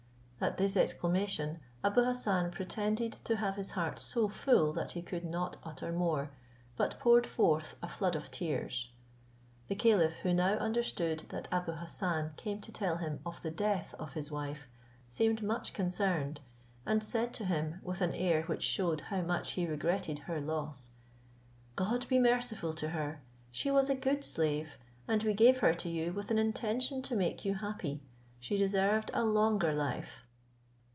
at this exclamation Abou Hassan pretended to have his heart so full, that he could not utter more, but poured forth a flood of tears. The caliph, who now understood that Abou Hassan came to tell him of the death of his wife, seemed much concerned, and said to him with an air which shewed how much he regretted her loss, "God be merciful to her: she was a good slave, and we gave her to you with an intention to make you happy: she deserved a longer life."